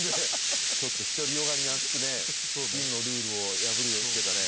ちょっと独り善がりでチームのルールを破るというかね。